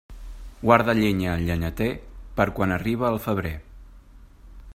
Guarda llenya el llenyater, per quan arribe el febrer.